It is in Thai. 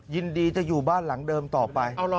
ยินดีจะอยู่บ้านหลังเดิมต่อไป